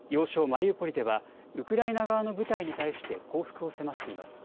マリウポリではウクライナ側の部隊に対して降伏を迫っています。